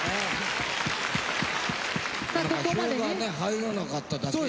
票がね入らなかっただけに。